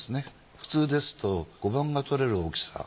普通ですと碁盤が取れる大きさ。